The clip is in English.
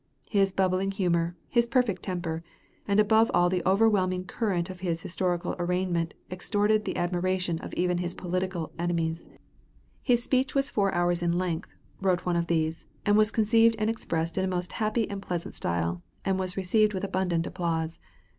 His bubbling humor, his perfect temper, and above all the overwhelming current of his historical arraignment extorted the admiration of even his political enemies. "His speech was four hours in length" wrote one of these, "and was conceived and expressed in a most happy and pleasant style, and was received with abundant applause.